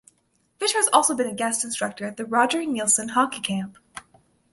Fisher has also been a guest instructor at the Roger Neilson Hockey Camp.